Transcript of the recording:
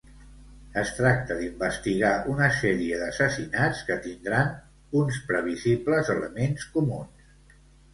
Es tracta d'investigar una sèrie d'assassinats que tindran uns previsibles elements comuns.